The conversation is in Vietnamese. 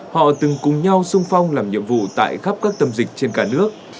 họ từng cùng nhau sung phong làm nhiệm vụ tại khắp các tâm dịch trên cả nước